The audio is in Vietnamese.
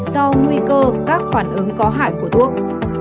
do nguy cơ các phản ứng có hại của thuốc